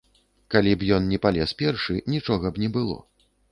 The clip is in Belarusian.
Калі б ён не палез першы, нічога б не было.